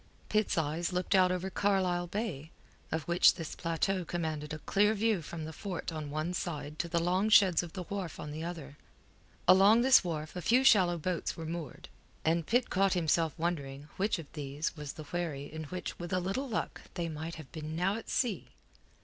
Pitt's eyes looked out over Carlisle Bay, of which this plateau commanded a clear view from the fort on one side to the long sheds of the wharf on the other. Along this wharf a few shallow boats were moored, and Pitt caught himself wondering which of these was the wherry in which with a little luck they might have been now at sea.